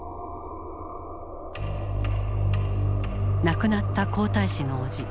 亡くなった皇太子の伯父